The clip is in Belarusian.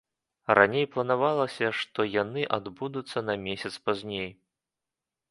Раней планавалася, што яны адбудуцца на месяц пазней.